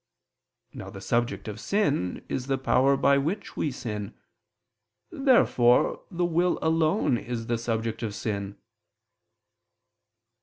Now the subject of sin is the power by which we sin. Therefore the will alone is the subject of sin.